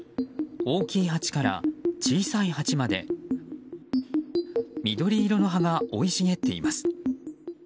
大きい鉢から小さい鉢まで緑色の葉が生い茂っています。